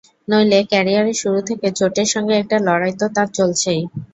নইলে ক্যারিয়ারের শুরু থেকে চোটের সঙ্গে একটা লড়াই তো তাঁর চলছেই।